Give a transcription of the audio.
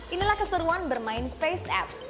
inilah keseruan bermain faceapp